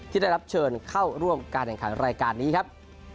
ที่ได้รับเชิญเข้าร่วมการแข่งขันรายการนี้ครับ